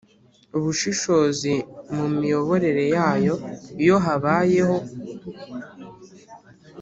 Ubushishozi mu miyoborere yayo iyo habayeho